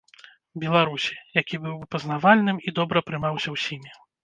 Беларусі, які быў бы пазнавальным і добра прымаўся ўсімі.